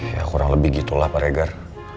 ya kurang lebih gitulah pak reger